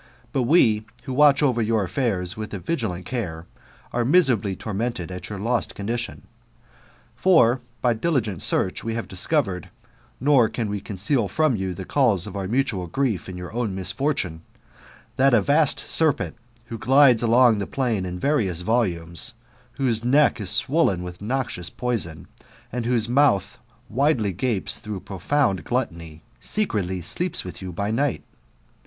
But we, who watch over your affairs with a vigilant care, are miserably tormented at your lost condition. For, by diligent search, we have discovered, (nor can we conceal from you the cause of our mutual grief, and your own misfortune), that a vast serpent who glides along the plain in various volumes, whose neck is swollen with noxious poison, and whose mouth widely gapes through profound gluttony, secretly sleeps with you by night.